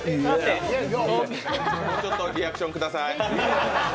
もうちょっとリアクションください。